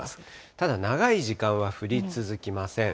ただ、長い時間は降り続きません。